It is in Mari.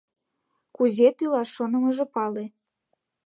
Кузе тӱлаш шонымыжо пале!